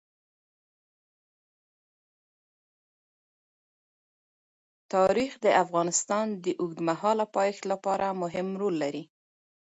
تاریخ د افغانستان د اوږدمهاله پایښت لپاره مهم رول لري.